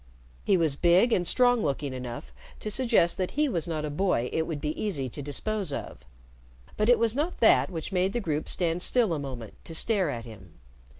He was big and strong looking enough to suggest that he was not a boy it would be easy to dispose of, but it was not that which made the group stand still a moment to stare at him.